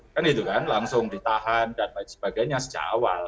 kan itu kan langsung ditahan dan lain sebagainya sejak awal